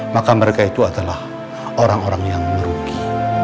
maka mereka itu adalah orang orang yang merugi